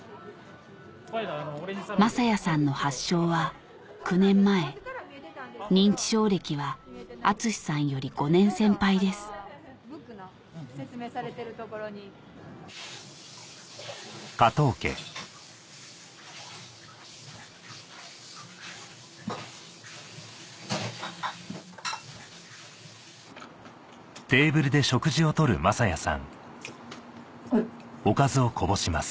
正哉さんの発症は９年前認知症歴は厚さんより５年先輩ですあっ。